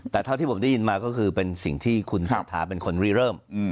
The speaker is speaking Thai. แต่เท่าที่ผมได้ยินมาก็คือเป็นสิ่งที่คุณเศรษฐาเป็นคนรีเริ่ม